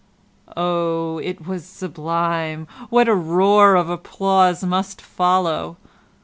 Oh, it was sublime! What a roar of applause must follow!